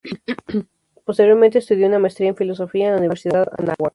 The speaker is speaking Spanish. Posteriormente estudió una maestría en filosofía en la Universidad Anáhuac.